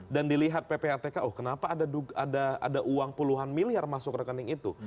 dan dilihat ppatk oh kenapa ada uang puluhan miliar masuk ke rekening itu